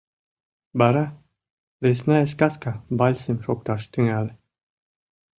Вара «Лесная сказка» вальсым шокташ тӱҥале.